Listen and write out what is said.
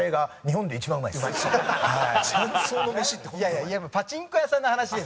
いやいやパチンコ屋さんの話ですから。